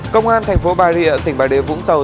công an thành phố bà rịa tỉnh bà rịa vũng tàu